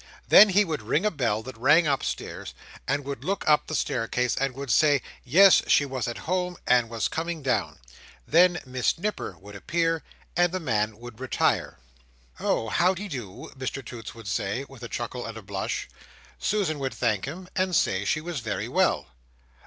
Then he would ring a bell that rang upstairs, and would look up the staircase, and would say, yes, she was at home, and was coming down. Then Miss Nipper would appear, and the man would retire. "Oh! How de do?" Mr Toots would say, with a chuckle and a blush. Susan would thank him, and say she was very well.